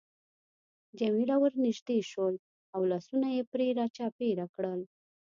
جميله ورنژدې شول او لاسونه يې پرې را چاپېره کړل.